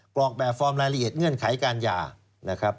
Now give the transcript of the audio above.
กรอกแบบฟอร์มรายละเอียดเงื่อนไขการหย่านะครับ